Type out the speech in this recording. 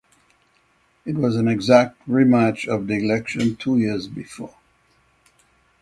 It was an exact rematch of the election two years before.